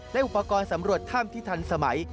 และอุปกรณ์สำรวจถ้ำที่ทันสมัย